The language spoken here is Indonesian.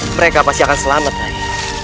mereka pasti akan selamat lagi